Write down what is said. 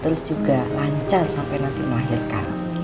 terus juga lancar sampai nanti melahirkan